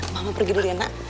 mama pergi dulu ya nak